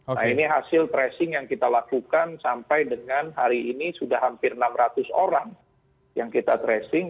nah ini hasil tracing yang kita lakukan sampai dengan hari ini sudah hampir enam ratus orang yang kita tracing